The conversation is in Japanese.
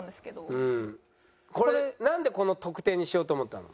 これなんでこの特典にしようと思ったの？